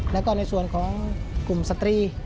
แล้วก็ในส่วนของกลุ่มสตรี